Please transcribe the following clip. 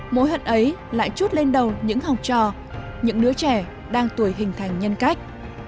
mối hận ấy lại chút lên đầu những học trò những đứa trẻ đang tuổi hình thành nhân cách